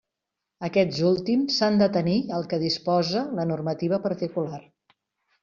Aquests últims s'han d'atenir al que disposa la normativa particular.